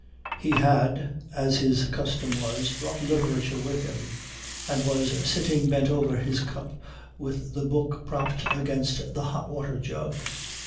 He had, as his custom was, brought literature with him, and was sitting bent over his cup with the book propped against the hot water jug.